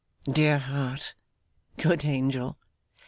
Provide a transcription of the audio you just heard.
Dear heart. Good angel!